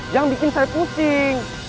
jangan bikin saya pusing